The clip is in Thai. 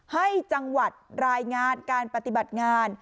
ให้จังหวัดรายงานการปฏิบัติงาน